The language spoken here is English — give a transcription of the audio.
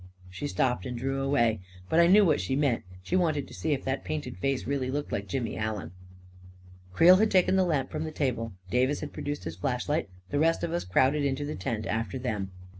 She stopped and drew away. But I knew what she meant; she wanted to see if that painted face really looked like Jimmy Allen. Creel had taken the lamp from the table; Davis had produced his flashlight; the rest of us crowded into the tent after them.